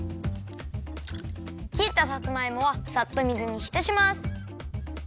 きったさつまいもはさっと水にひたします。